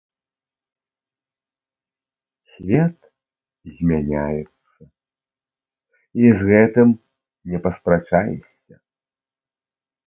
Свет змяняецца, і з гэтым не паспрачаешся.